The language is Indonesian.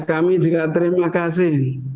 kami juga terima kasih